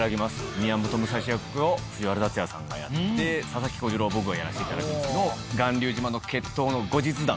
宮本武蔵役を藤原竜也さんがやって佐々木小次郎を僕がやらせていただくんですけど巌流島の決闘の後日談。